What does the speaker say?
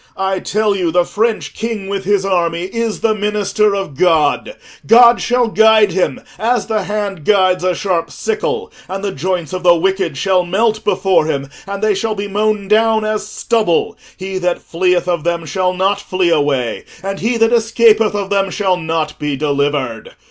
I tell you the French king with his army is the minister of God: God shall guide him as the hand guides a sharp sickle, and the joints of the wicked shall melt before him, and they shall be mown down as stubble: he that fleeth of them shall not flee away, and he that escapeth of them shall not be delivered.